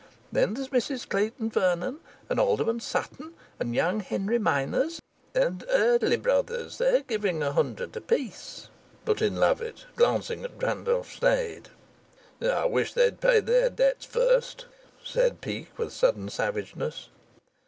Then there's Mr Clayton Vernon, and Alderman Sutton, and young Henry Mynors and " "And Eardley Brothers they're giving a hundred apiece," put in Lovatt, glancing at Randolph Sneyd. "I wish they'd pay their debts first," said Peake, with sudden savageness.